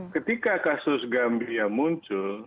ketika kasus gambia muncul